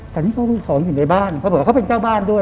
แต่นี่เขามีของอยู่ในบ้านเขาบอกว่าเขาเป็นเจ้าบ้านด้วย